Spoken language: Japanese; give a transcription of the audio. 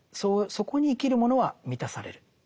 そこに生きるものは満たされる。